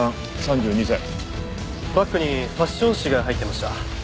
バッグにファッション誌が入ってました。